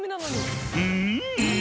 うん？